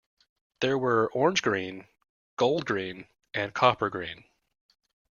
There were orange-green, gold-green, and a copper-green.